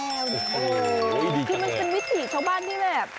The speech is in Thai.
คือมันเป็นวิธีช่องบ้านที่แบบ